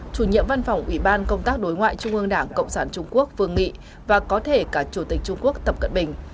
chủ nhiệm văn phòng ủy ban công tác đối ngoại trung ương đảng cộng sản trung quốc vương nghị và có thể cả chủ tịch trung quốc tập cận bình